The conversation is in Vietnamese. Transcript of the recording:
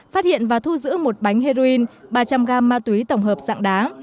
phát hiện và thu giữ một bánh heroin ba trăm linh g ma túy tổng hợp dạng đá